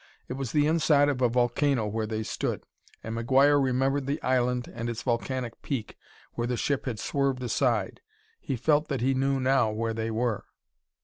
It was the inside of a volcano where they stood, and McGuire remembered the island and its volcanic peak where the ship had swerved aside. He felt that he knew now where they were.